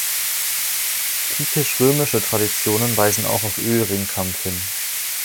Griechisch-römische Traditionen weisen auch auf Öl-Ringkampf hin.